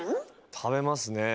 食べますねえ。